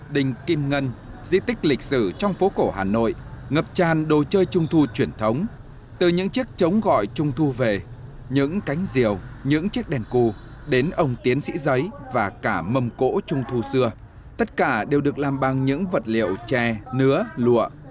đình kim ngân di tích lịch sử trong phố cổ hà nội ngập tràn đồ chơi trung thu truyền thống từ những chiếc trống gọi trung thu về những cánh diều những chiếc đèn cu đến ông tiến sĩ giấy và cả mầm cỗ trung thu xưa tất cả đều được làm bằng những vật liệu tre nứa lụa